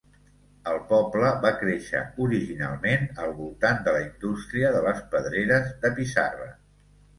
El poble va créixer originalment al voltant de la indústria de les pedreres de pissarra.